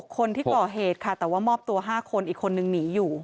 คนที่ก่อเหตุค่ะแต่ว่ามอบตัว๕คนอีกคนนึงหนีอยู่